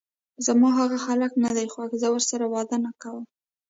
زما هغه هلک ندی خوښ، زه ورسره واده نکوم!